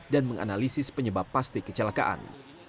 dan menganalisis penyebab pasti kecelakaan